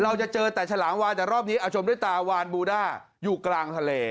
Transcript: เราจะเจอแต่ฉลามวานแต่รอบนี้ชมด้วยตาวานบูด้าอยู่กลางทะเล